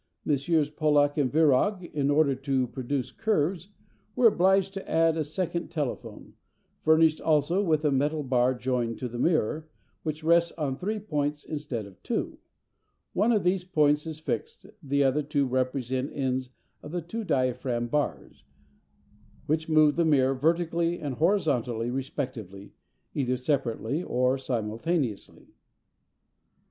Messrs. Pollak and Virag, in order to produce curves, were obliged to add a second telephone, furnished also with a metal bar joined to the mirror, which rests on three points instead of on two. One of these points is fixed, the other two represent the ends of the two diaphragm bars, which move the mirror vertically and horizontally respectively, either separately or simultaneously.